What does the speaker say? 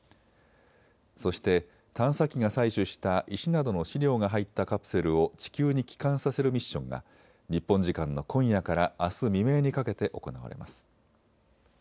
そして探査機が採取した石などの試料が入ったカプセルを地球に帰還させるミッションが日本時間の今夜からあす未明にかけて行われます。